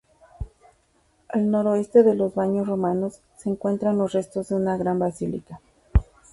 Al noreste de los baños romanos se encuentran los restos de una gran basílica.